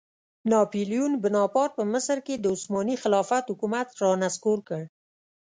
ناپیلیون بناپارټ په مصر کې د عثماني خلافت حکومت رانسکور کړ.